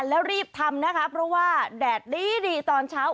แล้วรีบทำนะคะเพราะว่าแดดดีตอนเช้า